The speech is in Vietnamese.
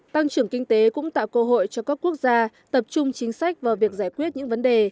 tăng trưởng kinh tế cũng tạo cơ hội cho các quốc gia tập trung chính sách vào việc giải quyết những vấn đề